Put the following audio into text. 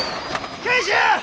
賢秀！